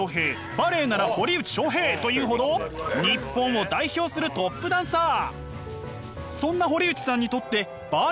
バレエなら堀内將平というほど日本を代表するトップダンサー。